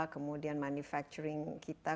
kemudian manufacturing kita